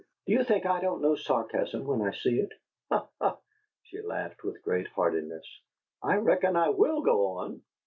"Do you think I don't know sarcasm when I see it? Ha, ha!" She laughed with great heartiness. "I reckon I WILL go on!